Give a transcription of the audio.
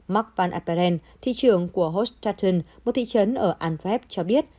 mark van appelen thị trường của hostaten một thị trấn ở adweb cho biết